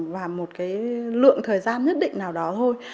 và một cái lượng thời gian nhất định nào đó thôi